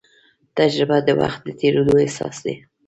تجربه د وخت د تېرېدو احساس دی.